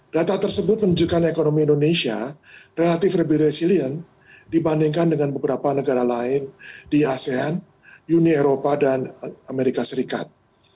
data tersebut menunjukkan ekonomi indonesia relatif lebih resilient dibandingkan dengan beberapa negara lain di asean uni eropa dan amerika serikat